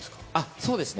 そうですね。